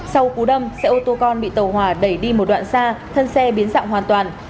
sau cú đâm xe ô tô con bị tàu hỏa đẩy đi một đoạn xa thân xe biến dạng hoàn toàn